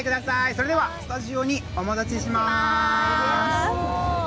それでは、スタジオにお戻ししまーす。